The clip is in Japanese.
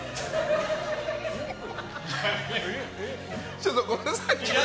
ちょっと、ごめんなさい。